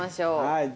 はい。